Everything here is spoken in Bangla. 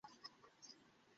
আমি এটার প্রশংসা করি, স্যার।